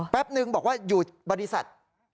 แป๊บนึงบอกว่าอยู่บริษัท